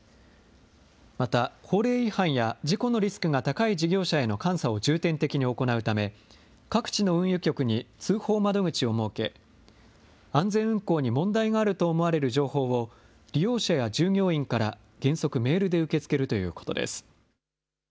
また法令違反や事故のリスクが高い事業者への監査を重点的に行うため、各地の運輸局に通報窓口を設け、安全運航に問題があると思われる情報を利用者や従業員から原則、メールで受け付けるということです。